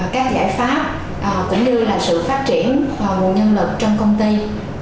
các giải pháp cũng như là sự phát triển nguồn nhân lực trong công ty